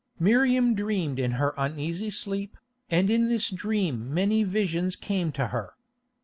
Miriam dreamed in her uneasy sleep, and in this dream many visions came to her.